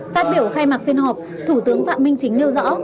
phát biểu khai mạc phiên họp thủ tướng phạm minh chính nêu rõ